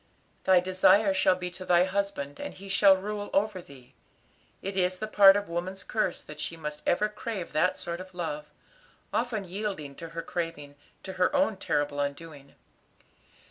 "'Thy desire shall be to thy husband, and he shall rule over thee.' It is part of woman's curse that she must ever crave that sort of love, often yielding to her craving, to her own terrible undoing.